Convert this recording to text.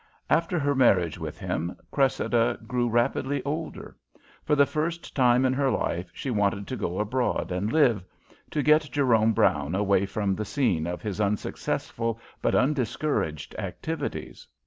After her marriage with him, Cressida grew rapidly older. For the first time in her life she wanted to go abroad and live to get Jerome Brown away from the scene of his unsuccessful but undiscouraged activities.